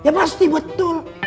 ya pasti betul